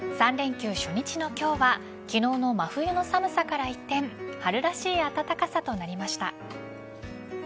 ３連休初日の今日は昨日の真冬の寒さから一転春らしい暖かさとなりました。